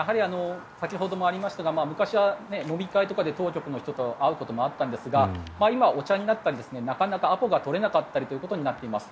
先ほどもありましたが昔は飲み会とかで当局の人と会うこともあったんですが今はお茶になったりなかなかアポが取れなくなったりということになっています。